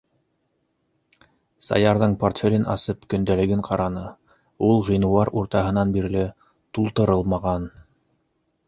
Саярҙың портфелен асып, көндәлеген ҡараны - ул ғинуар уртаһынан бирле тултырылмаған.